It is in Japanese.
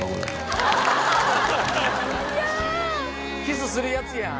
キスするやつやん！